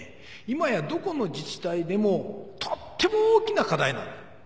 今やどこの自治体でもとっても大きな課題なんだ。